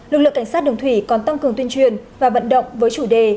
lực lượng cảnh sát đường thủy còn tăng cường tuyên truyền và vận động với chủ đề